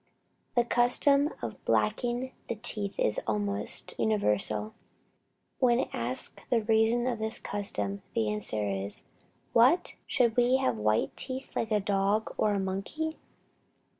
The custom of blacking the teeth is almost universal. When asked the reason of this custom, the answer is, "What! should we have white teeth like a dog or a monkey?"